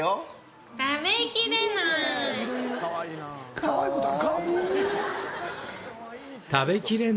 かわいいな。